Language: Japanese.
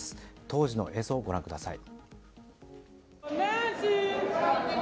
当時の映像をご覧ください。